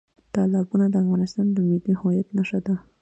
تالابونه د افغانستان د ملي هویت نښه ده.